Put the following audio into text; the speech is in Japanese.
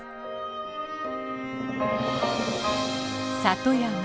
里山